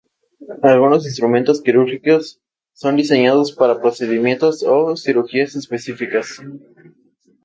Algunos instrumentos quirúrgicos son diseñados para procedimientos o cirugías específicas.